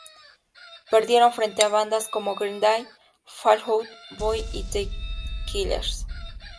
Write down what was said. Perdieron frente a bandas como Green Day, Fall Out Boy y The Killers.